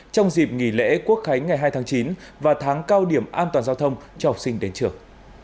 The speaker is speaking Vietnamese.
trong dịp nghỉ lễ quốc khánh ngày hai tháng chín và tháng cao điểm an toàn giao thông cho học sinh đến trường